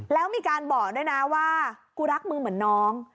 แล้วมีการบอกด้วยนะว่ากูรักมึงเหมือนน้อง